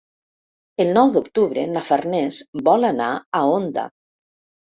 El nou d'octubre na Farners vol anar a Onda.